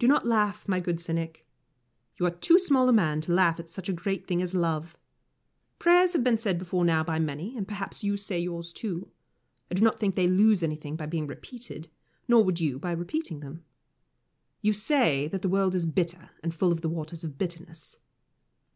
Do not laugh, my good cynic. You are too small a man to laugh at such a great thing as love. Prayers have been said before now by many, and perhaps you say yours, too. I do not think they lose anything by being repeated, nor you by repeating them. You say that the world is bitter, and full of the Waters of Bitterness.